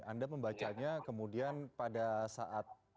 anda membacanya kemudian pada saat